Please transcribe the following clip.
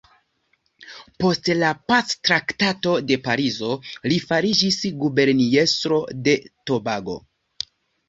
Post la Pactraktato de Parizo, li fariĝis guberniestro de Tobago.